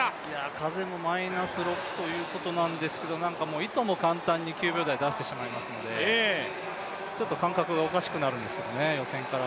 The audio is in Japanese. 風もマイナス６ということなんですけれども、いとも簡単に９秒台出してしまいますのでちょっと感覚がおかしくなるんですけどね、予選から。